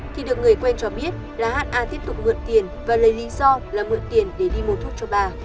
thì được người quen cho biết là hạn a tiếp tục mượn tiền và lấy lý do là mượn tiền để đi mua thuốc cho bà